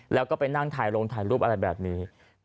แล้วก็ไปนั่งถ่ายลงถ่ายรูปอะไรแบบนี้